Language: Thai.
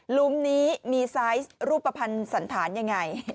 ลุมนี้มีไซส์รูปภัณฑ์สันธารยังไง